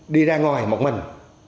đi ra ngoài một mình